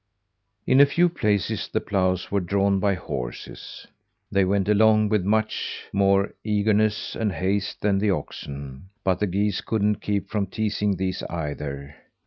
In a few places the ploughs were drawn by horses. They went along with much more eagerness and haste than the oxen; but the geese couldn't keep from teasing these either.